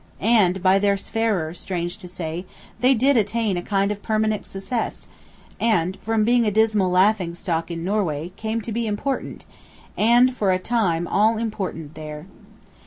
And, by their Sverrir, strange to say, they did attain a kind of permanent success; and, from being a dismal laughing stock in Norway, came to be important, and for a time all important there.